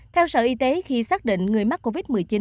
theo sở y tế khi xác định người mắc covid một mươi chín